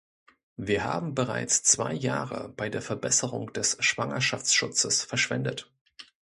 Wir haben bereits zwei Jahre bei der Verbesserung des Schwangerschaftsschutzes verschwendet.